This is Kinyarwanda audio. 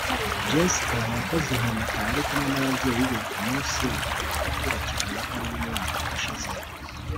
Jessica yakoze impanuka ari kumwe n’ababyeyi be ku munsi ukurikira noheli y’umwaka ushize